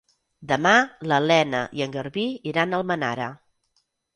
Demà na Lena i en Garbí iran a Almenara.